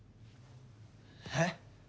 えっ？